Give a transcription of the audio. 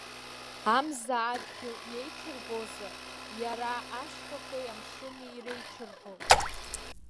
Амза адгьыл иеиҽырбозар, иара ашьхақәеи амшыни иреиҽырбон.